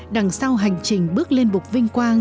đằng sau hành trình bước lên bục vinh quang